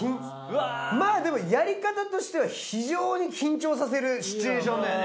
まあでもやり方としては非常に緊張させるシチュエーションだよね。